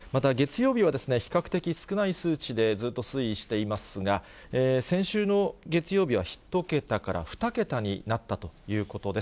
また、月曜日は比較的少ない数値で、ずっと推移していますが、先週の月曜日は１桁から２桁になったということです。